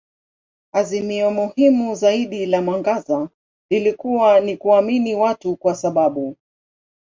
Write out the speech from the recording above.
Azimio muhimu zaidi la mwangaza lilikuwa ni kuamini watu kwa sababu.